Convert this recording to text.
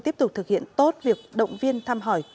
tiếp tục thực hiện tốt việc động viên thăm hỏi